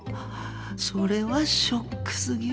それはショックすぎる。